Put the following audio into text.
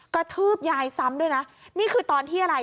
ทืบยายซ้ำด้วยนะนี่คือตอนที่อะไร